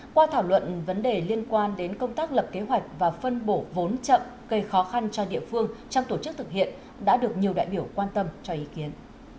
qua thảo luận vấn đề liên quan đến công tác lập kế hoạch và phân bổ vốn chậm gây khó khăn cho địa phương trong tổ chức thực hiện đã được nhiều đại biểu quan tâm cho ý kiến